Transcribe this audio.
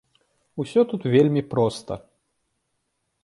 Усё тут вельмі проста.